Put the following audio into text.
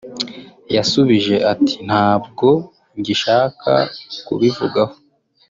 yasubije ati “Ntabwo ngishaka kubivugaho